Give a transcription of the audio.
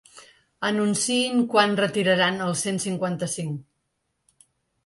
Anunciïn quan retiraran el cent cinquanta-cinc.